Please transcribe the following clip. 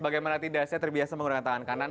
bagaimana tidak saya terbiasa menggunakan tangan kanan